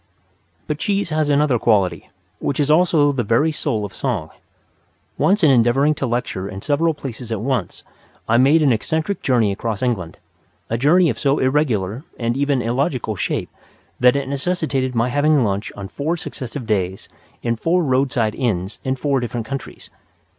But cheese has another quality, which is also the very soul of song. Once in endeavouring to lecture in several places at once, I made an eccentric journey across England, a journey of so irregular and even illogical shape that it necessitated my having lunch on four successive days in four roadside inns in four different counties.